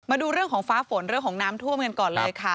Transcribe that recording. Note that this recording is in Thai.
มาดูเรื่องของฟ้าฝนเรื่องของน้ำท่วมกันก่อนเลยค่ะ